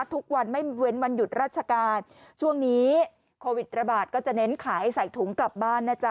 ทุกวันไม่เว้นวันหยุดราชการช่วงนี้โควิดระบาดก็จะเน้นขายใส่ถุงกลับบ้านนะจ๊